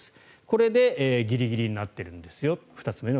これでギリギリになっているんですよと。